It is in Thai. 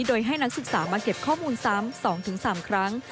โดยให้นักศึกษามาเก็บข้อมูลซ้ำ๒๓ครั้ง